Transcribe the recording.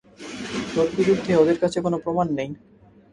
তোর বিরুদ্ধে ওদের কাছে কোনো প্রমাণ নেই।